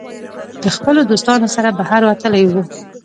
د خپلو دوستانو سره بهر وتلی وو